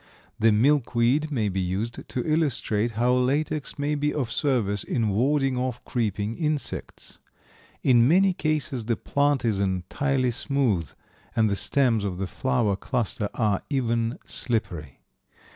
The milkweed may be used to illustrate how latex may be of service in warding off creeping insects. In many cases the plant is entirely smooth, and the stems of the flower cluster are even slippery.